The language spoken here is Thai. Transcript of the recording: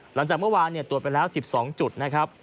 หลังจากเมื่อวานตรวจไปแล้ว๑๒จุดนะครับ